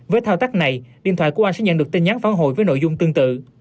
với thao tác này điện thoại của oanh sẽ nhận được tin nhắn phán hội với nội dung tương tự